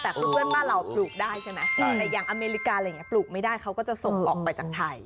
แต่คือเพื่อนบ้านเราปลูกได้ใช่ไหมแต่อย่างอเมริกาอะไรอย่างนี้ปลูกไม่ได้เขาก็จะส่งออกไปจากไทย